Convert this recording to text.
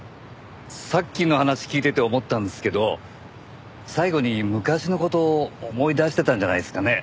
さっきの話聞いてて思ったんですけど最期に昔の事を思い出してたんじゃないですかね。